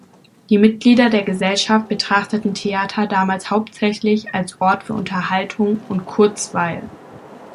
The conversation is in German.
Die Mitglieder der Gesellschaft betrachteten Theater damals hauptsächlich als Ort für Unterhaltung und „Kurzweil“.